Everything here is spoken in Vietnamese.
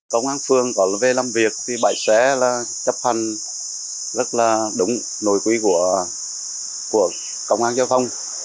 công an phương có lời về làm việc thì bãi xe là chấp hành rất là đúng nội quý của công an giao thông